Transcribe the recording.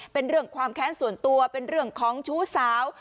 เป็นเรื่องความแค้นส่วนตัวเป็นเรื่องของชู้สาว